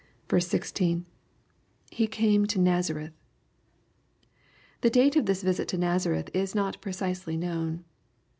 16. — [Be came to Nazareth,] The date of this visit to Nazareth is not precisely known.